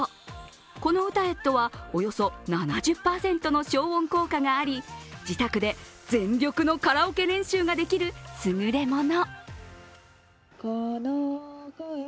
このウタエットはおよそ７０％の消音効果があり自宅で全力のカラオケ練習ができるすぐれもの。